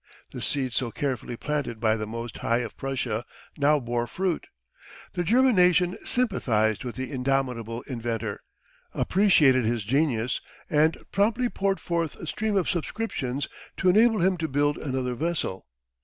The seeds so carefully planted by the "Most High of Prussia" now bore fruit. The German nation sympathised with the indomitable inventor, appreciated his genius, and promptly poured forth a stream of subscriptions to enable him to build another vessel.